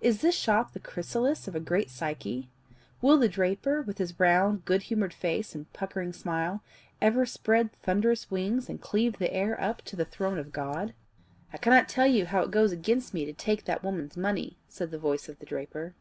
"Is this shop the chrysalis of a great psyche? Will the draper, with his round good humoured face and puckering smile, ever spread thunderous wings and cleave the air up to the throne of God?" "I cannot tell you how it goes against me to take that woman's money," said the voice of the draper.